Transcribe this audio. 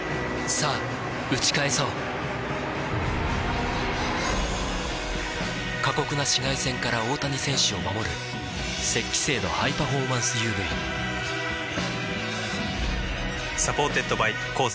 さぁ打ち返そう過酷な紫外線から大谷選手を守る「雪肌精」のハイパフォーマンス ＵＶサポーテッドバイコーセー